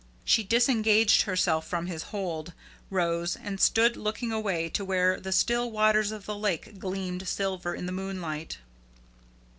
She disengaged herself from his hold, rose, and stood looking away to where the still waters of the lake gleamed silver in the moonlight.